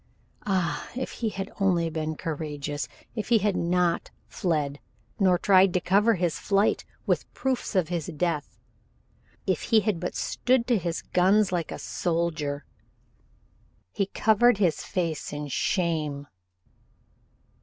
Ah, if he had only been courageous! If he had not fled, nor tried to cover his flight with proofs of his death! If he had but stood to his guns like a soldier! He covered his face in shame.